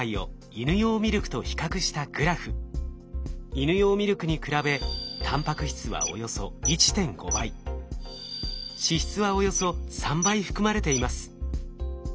イヌ用ミルクに比べタンパク質はおよそ１．５倍脂質はおよそ３倍含まれています。